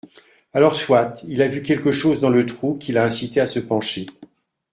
Alors soit il a vu quelque chose dans le trou qui l’a incité à se pencher